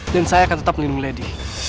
dan saya akan tetap melindungi lady